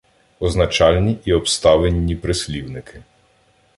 Означальні і обставинні прислівники